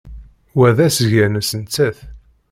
Wa d asga-nnes nettat.